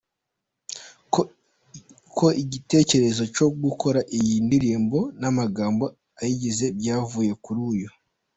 ko igitecyerezo cyo gukora iyi ndirimbo namagambo ayigize byavuye kuri uyu.